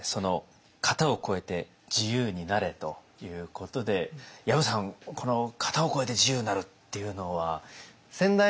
「型をこえて自由になれ！」ということで薮さんこの型をこえて自由になるっていうのは？